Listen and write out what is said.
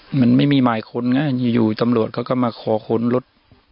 เหมือนไม่มีหมายค้นไงอยู่ตำรวจเขาก็มาขอค้นรถ